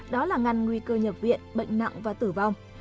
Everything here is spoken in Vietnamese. đó là ngăn nguy cơ nhập viện bệnh nặng và tử vong